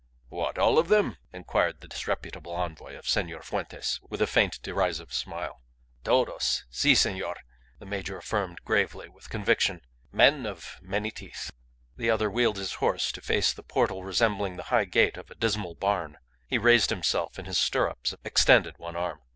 '" "What? All of them?" inquired the disreputable envoy of Senor Fuentes, with a faint, derisive smile. "Todos. Si, senor," the major affirmed, gravely, with conviction. "Men of many teeth." The other wheeled his horse to face the portal resembling the high gate of a dismal barn. He raised himself in his stirrups, extended one arm.